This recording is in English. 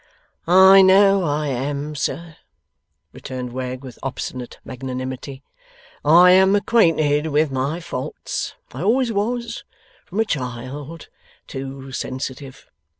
'I know I am, sir,' returned Wegg, with obstinate magnanimity. 'I am acquainted with my faults. I always was, from a child, too sensitive.